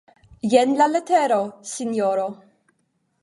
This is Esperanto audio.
Jen la leteroj, sinjoro